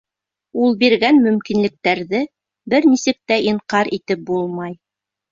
Ул биргән мөмкинлектәрҙе бер нисек тә инҡар итеп булмай.